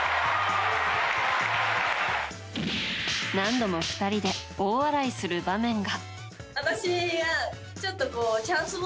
何度も２人で大笑いする場面が。